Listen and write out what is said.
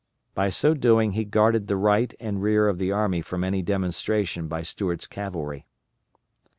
By so doing he guarded the right and rear of the army from any demonstration by Stuart's cavalry.